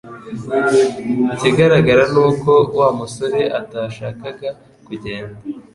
Ikigaragara ni uko Wa musore atashakaga kugenda